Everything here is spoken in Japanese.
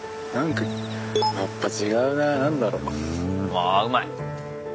わあうまい！